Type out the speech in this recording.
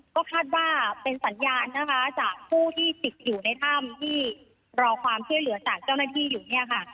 ก็คาดว่าเป็นสัญญาณนะคะจากผู้ที่ติดอยู่ในถ้ำที่รอความช่วยเหลือจากเจ้าหน้าที่อยู่เนี่ยค่ะ